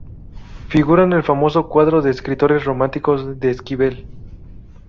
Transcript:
Figura en el famoso cuadro de escritores románticos de Esquivel.